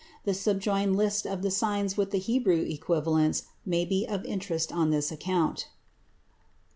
The subjoined list of the signs with the Hebrew equivalents may be of interest on this account.